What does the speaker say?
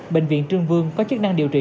bệnh viện trương vương có chức năng điều trị